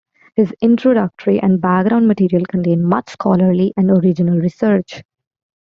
His introductory and background material contain much scholarly and original research.